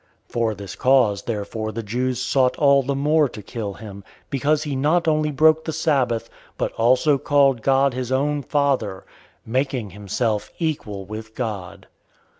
005:018 For this cause therefore the Jews sought all the more to kill him, because he not only broke the Sabbath, but also called God his own Father, making himself equal with God.